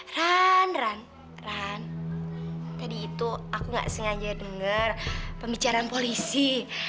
ran ran ran tadi itu aku gak sengaja denger pembicaraan polisi